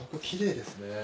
きれいですね。